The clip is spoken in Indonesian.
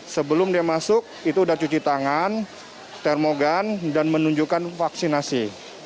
sebelum dia masuk itu sudah cuci tangan termogan dan menunjukkan vaksinasi